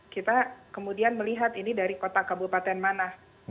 kita kemudian melihat ini dari kota kabupaten mana